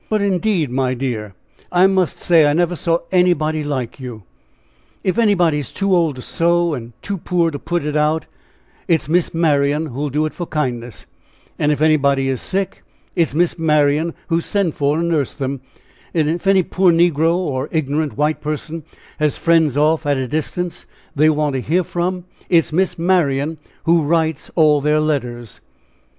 "But indeed, my dear, I must say I never saw anybody like you! If anybody's too old to sew, and too poor to put it out, it is 'Miss Marian' who will do it for kindness; and if anybody is sick, it is 'Miss Marian' who is sent for to nurse them; and if any poor negro, or ignorant white person, has friends off at a distance they want to hear from, it is 'Miss Marian' who writes all their letters!"